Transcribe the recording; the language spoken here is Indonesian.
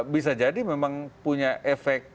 bisa jadi memang punya efek